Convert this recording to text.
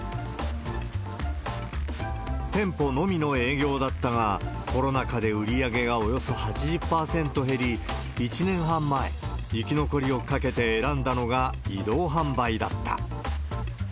店舗のみの営業だったが、コロナ禍で売り上げがおよそ８０％減り、１年半前、生き残りをかけて選んだのが移動販売だった。